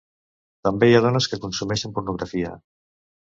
També, hi ha dones que consumeixen pornografia.